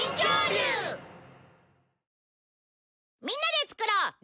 みんなでつくろう！